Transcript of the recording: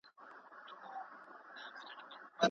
د انګریزانو جاسوسان په کابل کي وو.